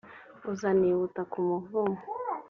uzaniye ubutaka umuvumo